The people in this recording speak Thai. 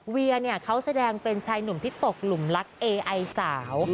เวียเนี่ยเขาแสดงเป็นชายหนุ่มที่ตกหลุมรักเอไอสาว